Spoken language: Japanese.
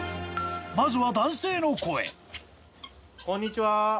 ［まずは男性の声］